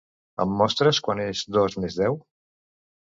Em mostres quant és dos més deu?